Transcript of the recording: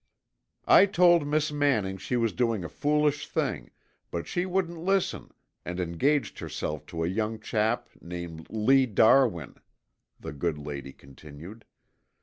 "I told Miss Manning she was doing a foolish thing, but she wouldn't listen and engaged herself to a young chap named Lee Darwin," the good lady continued.